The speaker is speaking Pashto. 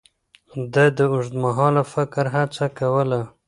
ده د اوږدمهاله فکر هڅه کوله.